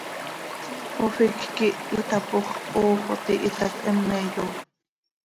Oficj quih itapox, ox oo tihitac, heme yoofp.